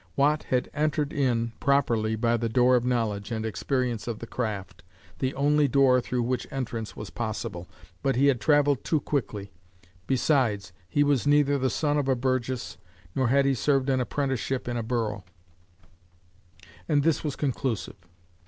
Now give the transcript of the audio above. Watt had entered in properly by the door of knowledge and experience of the craft, the only door through which entrance was possible, but he had travelled too quickly; besides he was "neither the son of a burgess, nor had he served an apprenticeship in the borough," and this was conclusive.